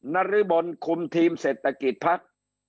นรบลคุมทีมเศรษฐกิจพัก